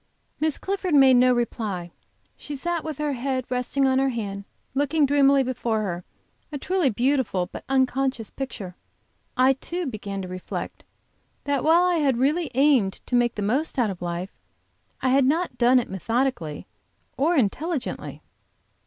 Miss Clifford made no reply. She sat with her head resting on her band, looking dreamily before her, a truly beautiful, but unconscious picture. I too, began to reflect, that while I had really aimed to make the most out of life, I had not done it methodically or intelligently.